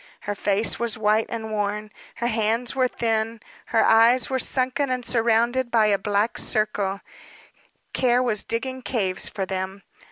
Her face was white and worn, her hands were thin, her eyes were sunken and surrounded by a black circle care was digging caves for them.